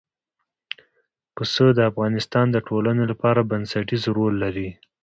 پسه د افغانستان د ټولنې لپاره بنسټيز رول لري.